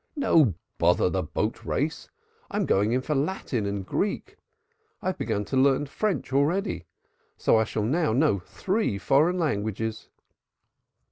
"No, bother the boat race. I'm going in for Latin and Greek. I've begun to learn French already. So I shall know three foreign languages."